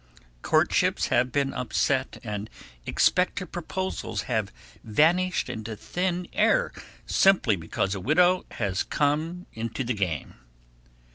Courtships have been upset and expected proposals have vanished into thin air, simply because a widow has come into the game.